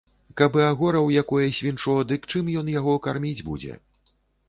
Каб і агораў якое свінчо, дык чым ён яго карміць будзе.